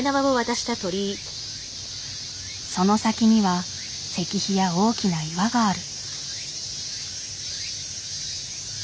その先には石碑や大きな岩がある。